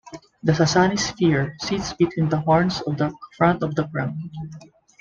The Sasani sphere sits between the horns on the front of the crown.